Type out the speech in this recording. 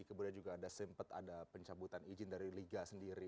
kemudian juga ada sempat ada pencabutan izin dari liga sendiri